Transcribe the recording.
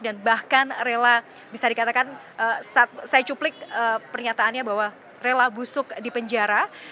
dan bahkan rela bisa dikatakan saat saya cuplik pernyataannya bahwa rela busuk di penjara